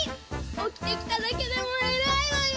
おきてきただけでもエラいわよ！